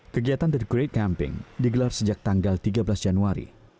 kegiatan the great camping digelar sejak tanggal tiga belas januari